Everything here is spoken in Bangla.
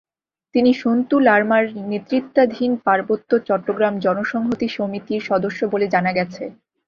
তিনি সন্তু লারমার নেতৃত্বাধীন পার্বত্য চট্টগ্রাম জনসংহতি সমিতির সদস্য বলে জানা গেছে।